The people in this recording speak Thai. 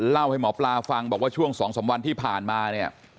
เล่าให้หมอปลาฟังบอกว่าช่วง๒๓วันที่ผ่านมาเนี่ย